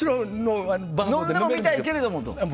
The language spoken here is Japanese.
飲んでもみたけれども。